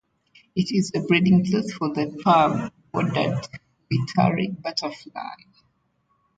It is a breeding place for the pearl-bordered fritillary butterfly.